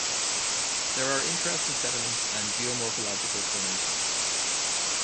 There are interesting sediments and geomorphological formations.